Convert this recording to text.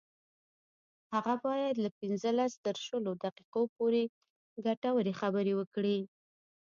هغه باید له پنځلس تر شلو دقیقو پورې ګټورې خبرې وکړي